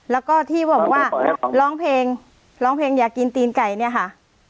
แล้วก็ที่บอกว่าร้องเพลงร้องเพลงอยากกินตีนไก่เนี่ยค่ะ